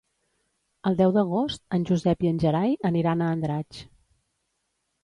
El deu d'agost en Josep i en Gerai aniran a Andratx.